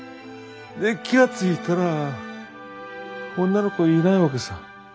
で気が付いたら女の子がいないわけさ。